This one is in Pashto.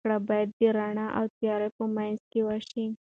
پرېکړه به د رڼا او تیارې په منځ کې وشي.